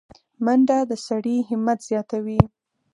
منډه د سړي همت زیاتوي